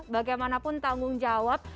bagaimanapun tanggung jawab